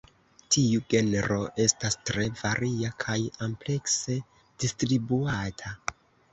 Tiu genro estas tre varia kaj amplekse distribuata.